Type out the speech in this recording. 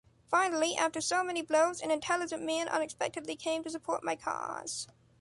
Finally, after so many blows, an intelligent man unexpectedly came to support my cause.